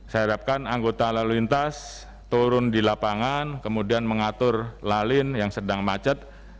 saya harapkan anggota lalu lintas turun di lapangan kemudian mengatur lalin yang sedang macet